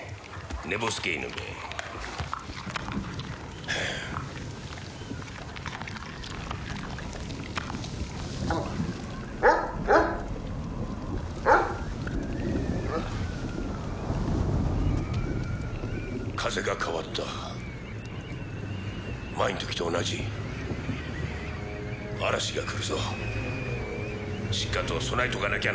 寝ぼすけ犬め風が変わった前ん時と同じ嵐が来るぞしっかと備えとかなきゃ